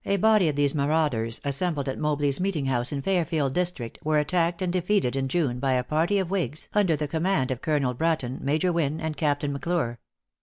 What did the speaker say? A body of these marauders, assembled at Mobley's Meeting house in Fairfield district, were attacked and defeated in June by a party of whigs under the command of Colonel Bratton, Major Wynn, and Captain M'Clure.